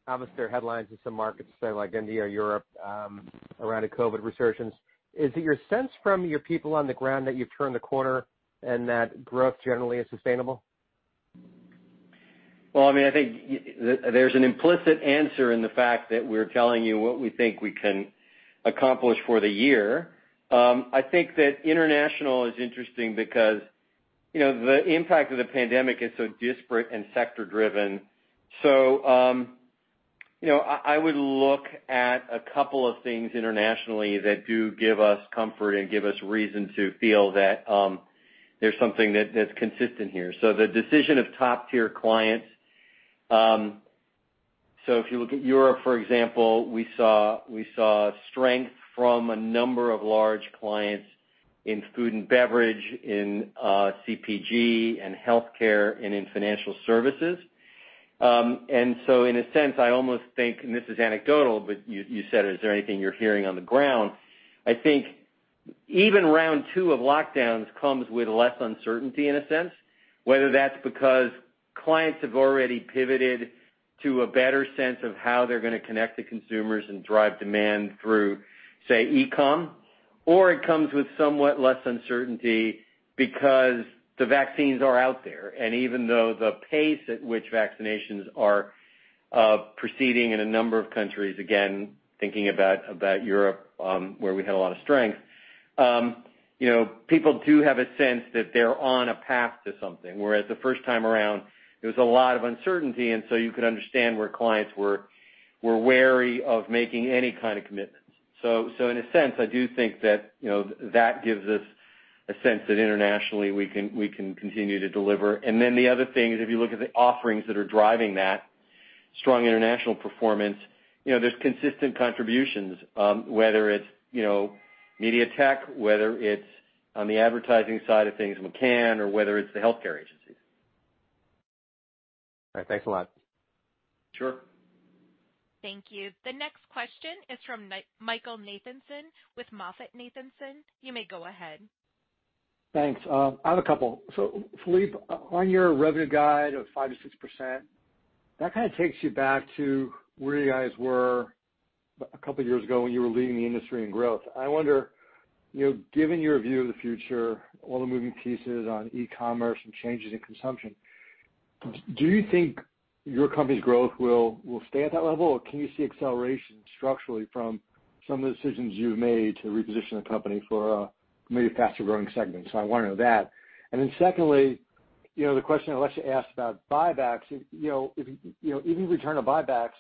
F: Obviously, there are headlines in some markets, say like India or Europe, around a COVID resurgence. Is it your sense from your people on the ground that you've turned the corner and that growth generally is sustainable?
C: Well, I think there's an implicit answer in the fact that we're telling you what we think we can accomplish for the year. I think that international is interesting because the impact of the pandemic is so disparate and sector-driven. I would look at a couple of things internationally that do give us comfort and give us reason to feel that there's something that's consistent here. The decision of top-tier clients, so if you look at Europe, for example, we saw strength from a number of large clients in food and beverage, in CPG, in healthcare, and in financial services. In a sense, I almost think, and this is anecdotal, but you said, "Is there anything you're hearing on the ground?" I think even round 2 of lockdowns comes with less uncertainty in a sense. Whether that's because clients have already pivoted to a better sense of how they're going to connect to consumers and drive demand through, say, e-commerce, or it comes with somewhat less uncertainty because the vaccines are out there. Even though the pace at which vaccinations are proceeding in a number of countries, again, thinking about Europe, where we had a lot of strength, people do have a sense that they're on a path to something, whereas the first time around, there was a lot of uncertainty, you could understand where clients were wary of making any kind of commitments. In a sense, I do think that gives us a sense that internationally we can continue to deliver. The other thing is if you look at the offerings that are driving that strong international performance, there's consistent contributions, whether it's media tech, whether it's on the advertising side of things, McCann, or whether it's the healthcare agencies.
F: All right. Thanks a lot.
C: Sure.
A: Thank you. The next question is from Michael Nathanson with MoffettNathanson. You may go ahead.
G: Thanks. I have a couple. Philippe, on your revenue guide of 5%-6%, that kind of takes you back to where you guys were a couple of years ago when you were leading the industry in growth. I wonder, given your view of the future, all the moving pieces on e-commerce and changes in consumption, do you think your company's growth will stay at that level, or can you see acceleration structurally from some of the decisions you've made to reposition the company for a maybe faster-growing segment? I want to know that. Secondly, the question Alexia asked about buybacks, if you return to buybacks,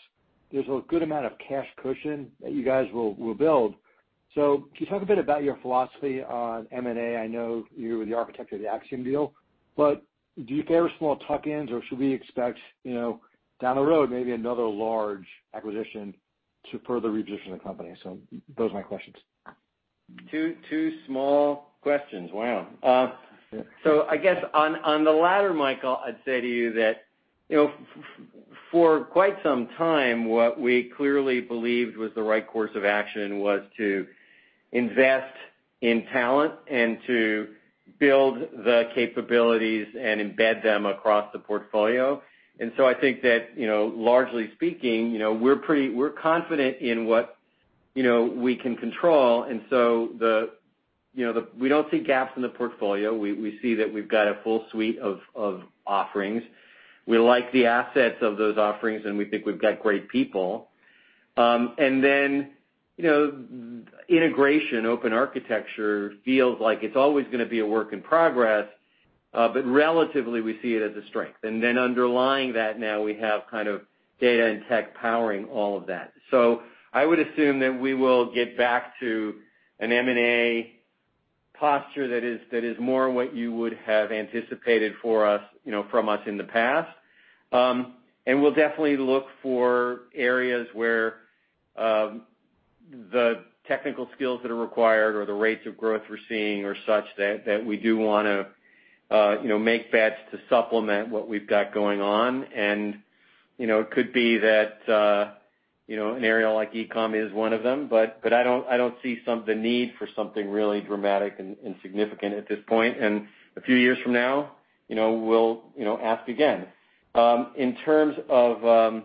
G: there's a good amount of cash cushion that you guys will build. Could you talk a bit about your philosophy on M&A? I know you were the architect of the Acxiom deal, but do you favor small tuck-ins, or should we expect, down the road, maybe another large acquisition to further reposition the company? Those are my questions.
C: Two small questions. Wow. I guess on the latter, Michael, I'd say to you that, for quite some time, what we clearly believed was the right course of action was to invest in talent and to build the capabilities and embed them across the portfolio. I think that, largely speaking, we're confident in what we can control. We don't see gaps in the portfolio. We see that we've got a full suite of offerings. We like the assets of those offerings, and we think we've got great people. Integration, open architecture feels like it's always going to be a work in progress, but relatively, we see it as a strength. Underlying that now we have kind of data and tech powering all of that. I would assume that we will get back to an M&A posture that is more what you would have anticipated from us in the past. We'll definitely look for areas where the technical skills that are required or the rates of growth we're seeing are such that we do want to make bets to supplement what we've got going on. It could be that an area like e-commerce is one of them, but I don't see the need for something really dramatic and significant at this point. A few years from now, we'll ask again. In terms of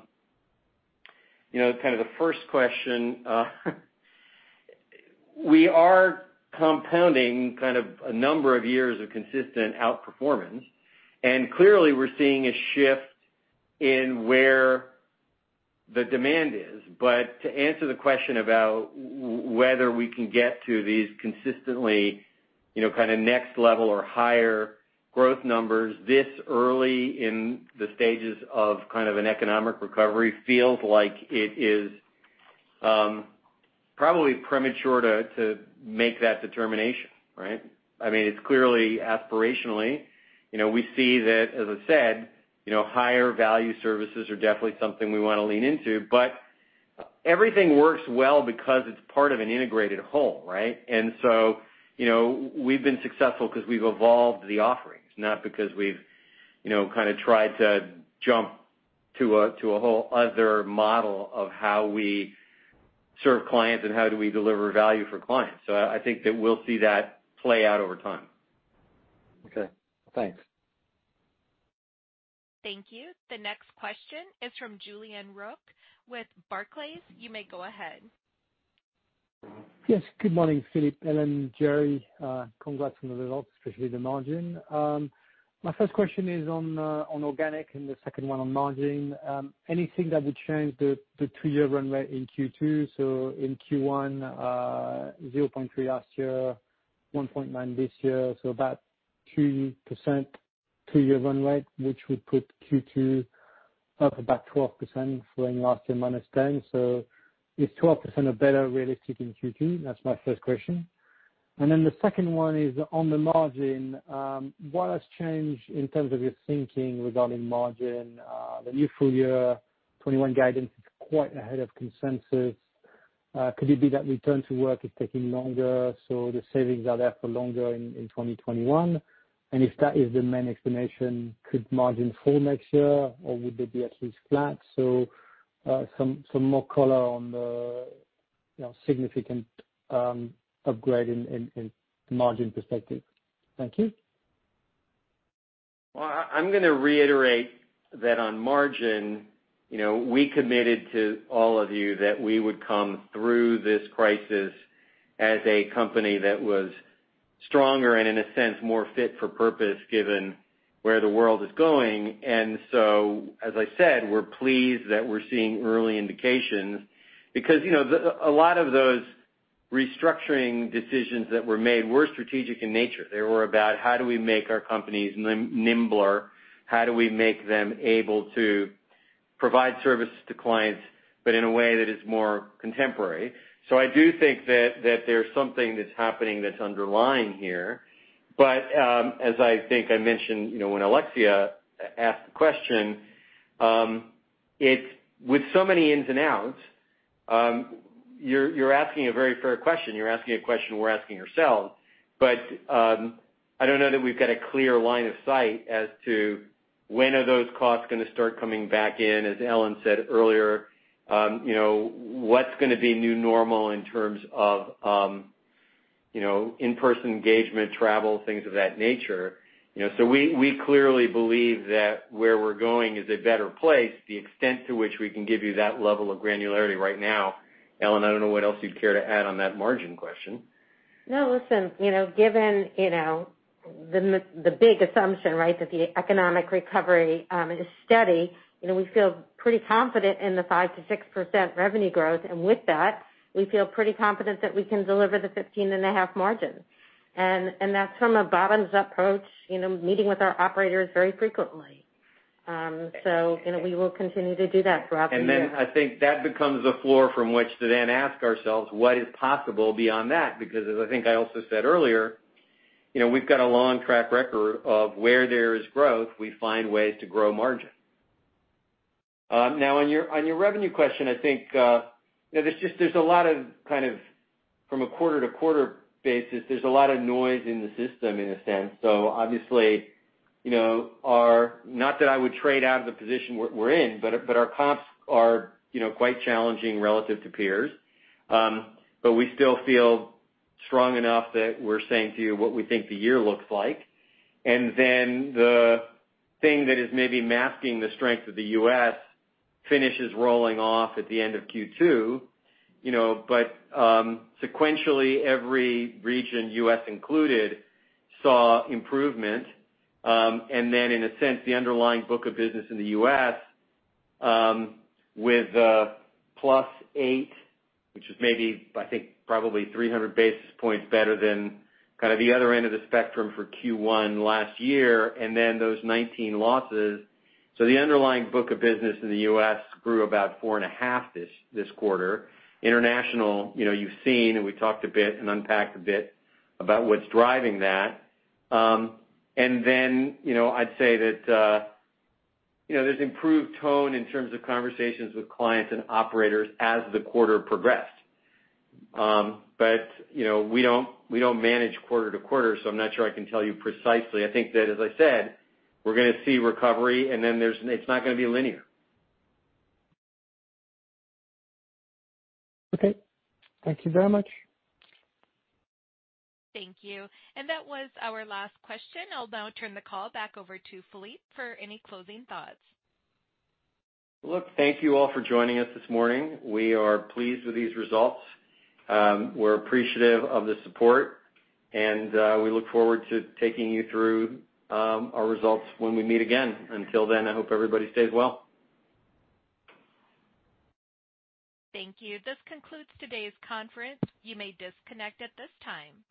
C: kind of the first question, we are compounding kind of a number of years of consistent outperformance, and clearly we're seeing a shift in where the demand is. To answer the question about whether we can get to these consistently kind of next level or higher growth numbers this early in the stages of kind of an economic recovery feels like it is probably premature to make that determination, right? It's clearly aspirationally, we see that, as I said, higher value services are definitely something we want to lean into, but everything works well because it's part of an integrated whole, right? We've been successful because we've evolved the offerings, not because we've kind of tried to jump to a whole other model of how we serve clients and how do we deliver value for clients. I think that we'll see that play out over time.
G: Okay. Thanks.
A: Thank you. The next question is from Julien Roch with Barclays. You may go ahead.
H: Yes. Good morning, Philippe, Ellen, Jerry. Congrats on the results, especially the margin. My first question is on organic and the second one on margin. Anything that would change the two-year run rate in Q2? In Q1, 0.3% last year, 1.9% this year, about 3% two-year run rate, which would put Q2 up about 12% for last year, -10%. Is 12% a better realistic in Q2? That's my first question. The second one is on the margin. What has changed in terms of your thinking regarding margin? The new full year 2021 guidance is quite ahead of consensus. Could it be that return to work is taking longer, so the savings are there for longer in 2021? If that is the main explanation, could margin fall next year, or would they be at least flat? Some more color on the significant upgrade in margin perspective. Thank you.
C: Well, I'm going to reiterate that on margin, we committed to all of you that we would come through this crisis as a company that was stronger and in a sense, more fit for purpose, given where the world is going. As I said, we're pleased that we're seeing early indications because a lot of those restructuring decisions that were made were strategic in nature. They were about, how do we make our companies nimbler? How do we make them able to provide services to clients, but in a way that is more contemporary? I do think that there's something that's happening that's underlying here. As I think I mentioned when Alexia asked the question, with so many ins and outs, you're asking a very fair question. You're asking a question we're asking ourselves, I don't know that we've got a clear line of sight as to when are those costs going to start coming back in. As Ellen said earlier, what's going to be new normal in terms of in-person engagement, travel, things of that nature. We clearly believe that where we're going is a better place. The extent to which we can give you that level of granularity right now, Ellen, I don't know what else you'd care to add on that margin question.
D: No, listen. Given the big assumption that the economic recovery is steady, we feel pretty confident in the 5%-6% revenue growth. With that, we feel pretty confident that we can deliver the 15.5% margin. That's from a bottoms-up approach, meeting with our operators very frequently. We will continue to do that throughout the year.
C: Then I think that becomes a floor from which to then ask ourselves what is possible beyond that. Because as I think I also said earlier, we've got a long track record of where there is growth, we find ways to grow margin. On your revenue question, I think there's a lot of kind of from a quarter-to-quarter basis, there's a lot of noise in the system in a sense. Obviously, not that I would trade out of the position we're in, but our comps are quite challenging relative to peers. We still feel strong enough that we're saying to you what we think the year looks like. Then the thing that is maybe masking the strength of the U.S. finishes rolling off at the end of Q2. Sequentially, every region, U.S. included, saw improvement. In a sense, the underlying book of business in the U.S., with a +8, which is maybe I think probably 300 basis points better than kind of the other end of the spectrum for Q1 last year, and then those 19 losses. The underlying book of business in the U.S. grew about 4.5 this quarter. International, you've seen and we talked a bit and unpacked a bit about what's driving that. I'd say that there's improved tone in terms of conversations with clients and operators as the quarter progressed. We don't manage quarter to quarter, so I'm not sure I can tell you precisely. I think that, as I said, we're going to see recovery, it's not going to be linear.
H: Okay. Thank you very much.
A: Thank you. That was our last question. I'll now turn the call back over to Philippe for any closing thoughts.
C: Look, Thank you all for joining us this morning. We are pleased with these results. We're appreciative of the support, and we look forward to taking you through our results when we meet again. Until then, I hope everybody stays well.
A: Thank you. This concludes today's conference. You may disconnect at this time.